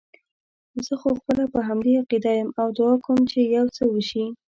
زه خو خپله په همدې عقیده یم او دعا کوم چې یو څه وشي.